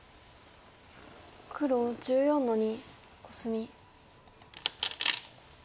黒１４の二コスミ。